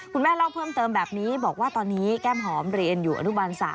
แม่เล่าเพิ่มเติมแบบนี้บอกว่าตอนนี้แก้มหอมเรียนอยู่อนุบาล๓